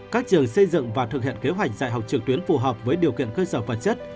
các trường xây dựng và thực hiện kế hoạch dạy học trực tuyến phù hợp với điều kiện cơ sở vật chất